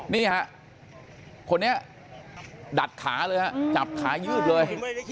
นี่ฮะคนนี้ดัดขาเลยฮะจับขายืดเลย